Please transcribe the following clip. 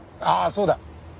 ああそうだ。